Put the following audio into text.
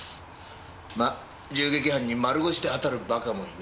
まあ銃撃犯に丸腰で当たるバカもいねえか。